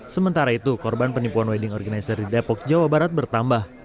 sementara itu korban penipuan wedding organizer di depok jawa barat bertambah